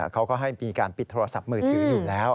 เขาก็ให้มีการปิดโทรศัพท์มือถืออยู่แล้ว